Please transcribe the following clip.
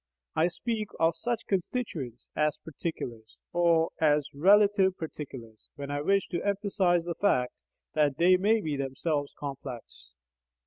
I speak of such constituents as "particulars," or as "RELATIVE particulars" when I wish to emphasize the fact that they may be themselves complex.